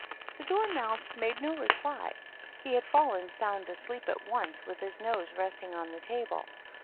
The Dormouse made no reply; he had fallen sound asleep at once, with his nose resting on the table.